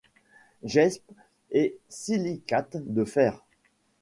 Jaspe et silicate de fer.